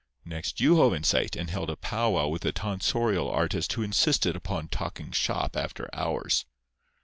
Next you hove in sight, and held a pow wow with the tonsorial artist who insisted upon talking shop after hours.